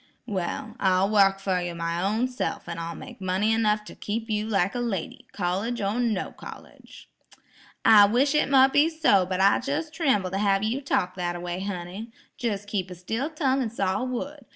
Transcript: "Well, I'll wark fer you my own self, and I'll make money enough to keep you like a lady, college or no college." "I wish it mote be so; but I jes' trimbles to have you talk that a way, honey; jes' keep a still tongue and saw wood.